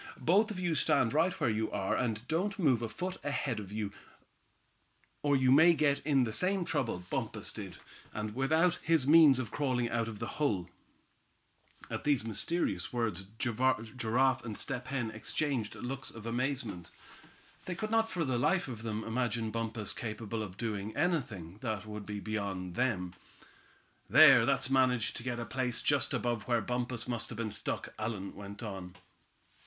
"Both of you stand right where you are, and don't move a foot ahead, or you may get in the same trouble Bumpus did, and without his means of crawling out of the hole." At these mysterious words Giraffe and Step Hen exchanged looks of amazement. They could not for the life of them imagine Bumpus capable of doing anything that would be beyond them. "There, Thad's managed to get to a place just above where Bumpus must have been stuck," Allan went on.